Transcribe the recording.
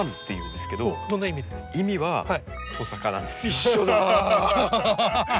一緒だ！